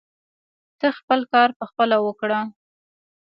ته خپل کار پخپله وکړه.